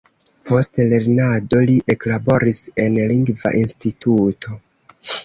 Post lernado li eklaboris en lingva instituto.